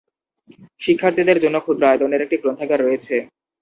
শিক্ষার্থীদের জন্য ক্ষুদ্র আয়তনের একটি গ্রন্থাগার রয়েছে।